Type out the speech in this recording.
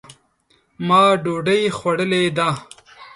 ما ډوډۍ خوړلې ده